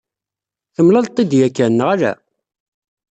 Temlaleḍ-tid yakan, neɣ ala?